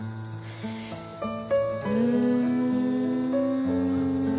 うん。